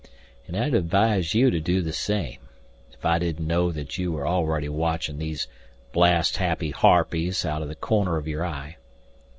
And I'd advise you to do the same if I didn't know that you were already watching these blast happy harpies out of the corner of your eye.